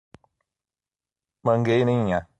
Mangueirinha